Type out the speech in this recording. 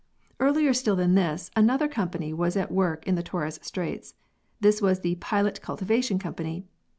Earlier still than this, another company was at work in the Torres Straits. This was the "Pilot Cultivation Company."